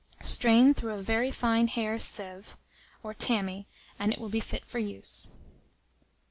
Strain through a very fine hair sieve, or tammy, and it will be fit for use.